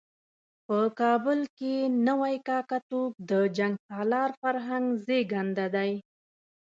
په کابل کې نوی کاکه توب د جنګ سالار فرهنګ زېږنده دی.